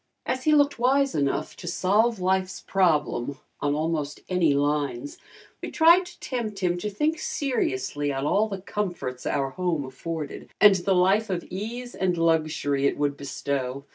As he looked wise enough to solve life's problem on almost any lines, we tried to tempt him to think seriously on all the comforts our home afforded and the life of ease and luxury it would bestow.